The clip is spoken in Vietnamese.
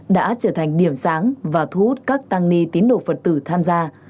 đã trở thành điểm sáng và thu hút các tăng ni tín đồ phật tử tham gia